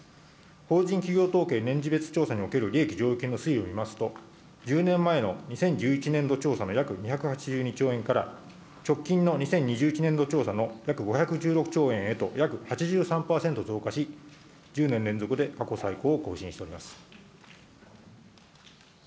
法人企業統計年次別調査における利益剰余金の推移を見ますと、１０年前の２０１１年度調査の約２８２兆円から、直近の２０２１年度調査の約５１６兆円へと、約８３％増加し、１０年連続で過去最高を更新しております。